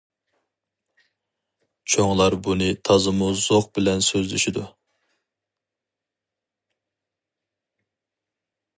چوڭلار بۇنى تازىمۇ زوق بىلەن سۆزلىشىدۇ.